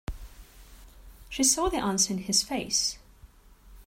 She saw the answer in his face.